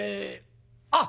あっ！